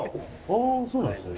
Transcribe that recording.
ああそうなんですね。